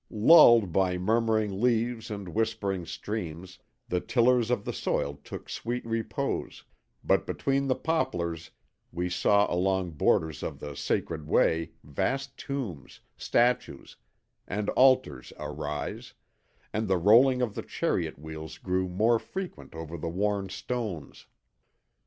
"Lulled by murmuring leaves and whispering streams, the tillers of the soil took sweet repose, but between the poplars we saw along borders of the sacred way vast tombs, statues, and altars arise, and the rolling of the chariot wheels grew more frequent over the worn stones.